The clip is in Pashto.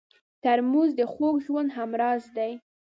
ترموز د خوږ ژوند همراز دی.